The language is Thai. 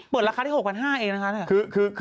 เปิดราคาได้๖๕๐๐เองนะคะ